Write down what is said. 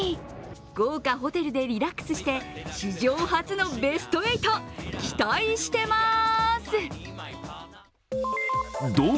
豪華ホテルでリラックスして史上初のベスト８、期待してます。